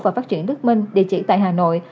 và phát triển đức minh địa chỉ tại hà nội